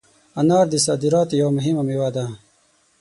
انار د صادراتو یوه مهمه مېوه ده.